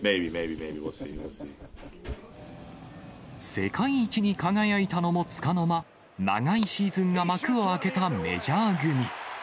世界一に輝いたのもつかの間、長いシーズンが幕を開けたメジャー組。